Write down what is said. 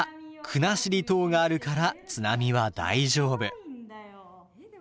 「国後島があるから津波は大丈夫」。